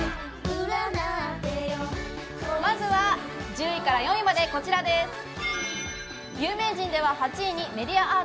まずは１０位から４位まで、こちらです。